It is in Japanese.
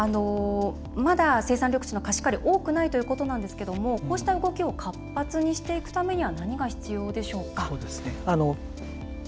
まだ、生産緑地の貸し借り多くないということなんですがこうした動きを活発にしていくためには何が必要でしょうか？